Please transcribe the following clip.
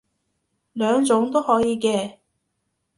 兩種都可以嘅